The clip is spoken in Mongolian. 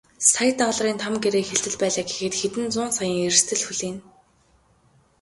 Сая долларын том гэрээ хэлцэл байлаа гэхэд хэдэн зуун саяын эрсдэл хүлээнэ.